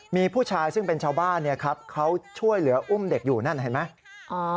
มีผู้ชายซึ่งเป็นชาวบ้านเขาช่วยเหลืออุ้มเด็กอยู่นั่นเห็นไหม